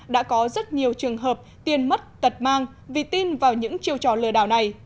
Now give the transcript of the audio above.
đã có rất nhiều trường hợp tiền mất tật mang vì tin vào những chiêu trò lừa đảo này